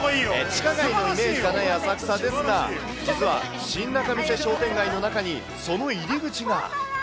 地下街のイメージがない浅草ですが、実は新仲見世商店街の中に、その入り口が。